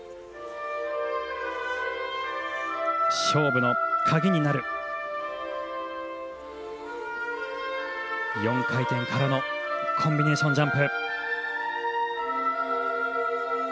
勝負の鍵になる４回転からのコンビネーション。